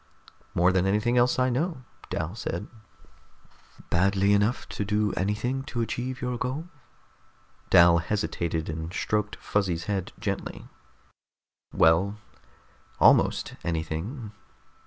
"More than anything else I know," Dal said. "Badly enough to do anything to achieve your goal?" Dal hesitated, and stroked Fuzzy's head gently. "Well ... almost anything."